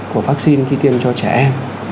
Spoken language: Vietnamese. của vaccine khi tiêm cho trẻ em